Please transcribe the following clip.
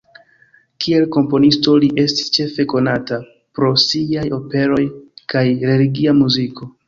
Kiel komponisto li estis ĉefe konata pro siaj operoj kaj religia muziko.